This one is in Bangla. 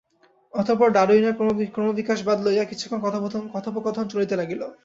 অতঃপর ডারুইনের ক্রমবিকাশবাদ লইয়া কিছুক্ষণ কথোপকথন চলিতে লাগিল।